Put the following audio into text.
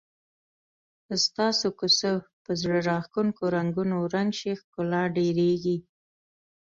که ستاسو کوڅه په زړه راښکونکو رنګونو رنګ شي ښکلا ډېریږي.